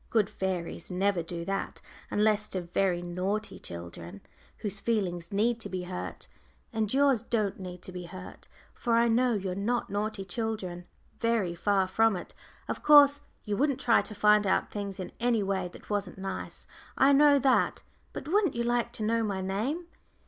Good fairies never do that, unless to very naughty children, whose feelings need to be hurt. And yours don't need to be hurt, for I know you're not naughty children very far from it. Of course you wouldn't try to find out things in any way that wasn't nice, I know that. But wouldn't you like to know my name?"